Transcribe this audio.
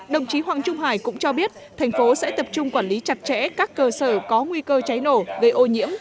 đồng chí hoàng trung hải cũng cho biết thành phố sẽ tập trung quản lý chặt chẽ các cơ sở có nguy cơ cháy nổ gây ô nhiễm